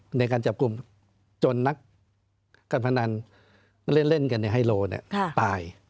อ่าในการจับกลุ่มจนนักกันพนันเล่นเล่นกันในไฮโลเนี้ยค่ะตาย